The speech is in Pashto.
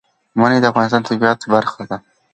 منی د افغانستان د طبیعت برخه ده.